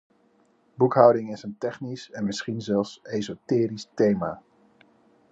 Boekhouding is een technisch en misschien zelfs esoterisch thema.